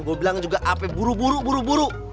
gua bilang juga ape buru buru buru buru